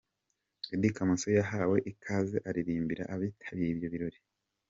Eddy Kamoso yahawe ikaze aririmbira abitabiriye ibyo birori.